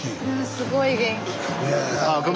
すごい元気。